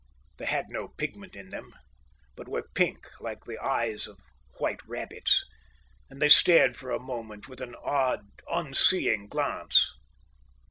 They had no pigment in them, but were pink, like the eyes of white rabbits; and they stared for a moment with an odd, unseeing glance.